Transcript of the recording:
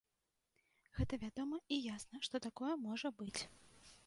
Гэта вядома і ясна, што такое можа быць.